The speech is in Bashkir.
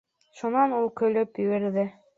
Шунан ул көлөп ебәрҙе.